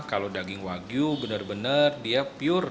kalau daging wagyu benar benar dia pure